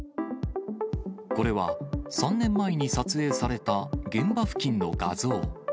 これは３年前に撮影された現場付近の画像。